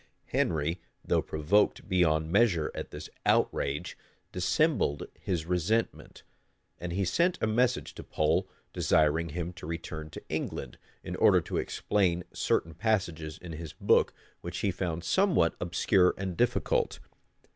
Henry, though provoked beyond measure at this outrage, dissembled his resentment; and he sent a message to Pole, desiring him to return to England, in order to explain certain passages in his book which he found somewhat obscure and difficult.